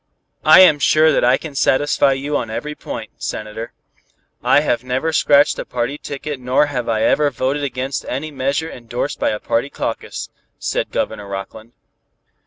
"I am sure that I can satisfy you on every point, Senator. I have never scratched a party ticket nor have I ever voted against any measure endorsed by a party caucus," said Governor Rockland.